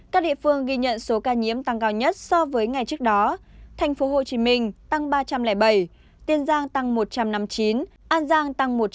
các địa phương ghi nhận số ca nhiễm tăng cao nhất so với ngày trước đó thành phố hồ chí minh tăng ba trăm linh bảy tiên giang tăng một trăm năm mươi chín an giang tăng một trăm linh bốn